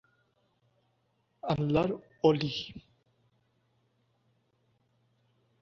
তিনি হয়তোবা একজন আলবেনীয় অথবা সার্ক্যাসীয় ছিলেন।